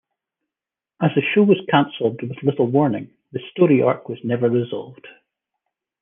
As the show was canceled with little warning, the story arc was never resolved.